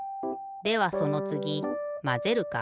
ではそのつぎまぜるか？